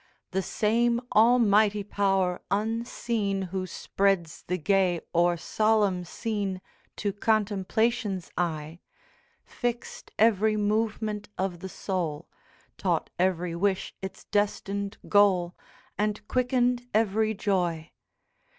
'The same Almighty Power unseen, Who spreads the gay or solemn scene To contemplation's eye, Fixed every movement of the soul, Taught every wish its destined goal, And quickened every joy.